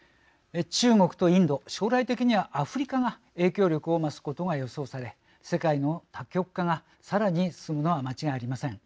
中国とインド将来的にはアフリカが影響力を増すことが予想され世界の多極化がさらに進むのは間違いありません。